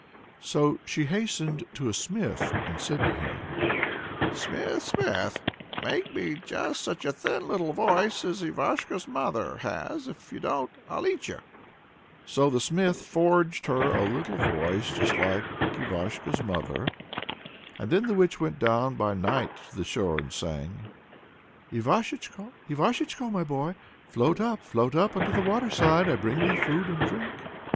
So she hastened to a smith and said to him: "Smith, smith! make me just such a thin little voice as Ivashko's mother has: if you don't, I'll eat you." So the smith forged her a little voice just like Ivashko's mother's. Then the witch went down by night to the shore and sang: Ivashechko, Ivashechko, my boy, Float up, float up, unto the waterside; I bring thee food and drink.